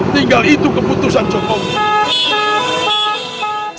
tinggal itu keputusan jokowi